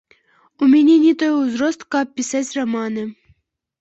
У мяне не той узрост, каб пісаць раманы.